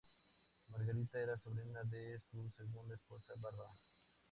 Margarita era sobrina de su segunda esposa Bárbara.